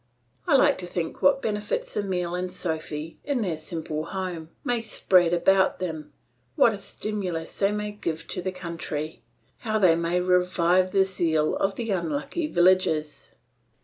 I like to think what benefits Emile and Sophy, in their simple home, may spread about them, what a stimulus they may give to the country, how they may revive the zeal of the unlucky villagers.